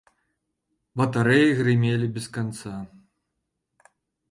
Батарэі грымелі без канца.